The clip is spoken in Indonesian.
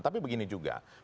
tapi begini juga